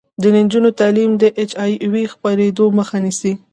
د نجونو تعلیم د اچ آی وي خپریدو مخه نیسي.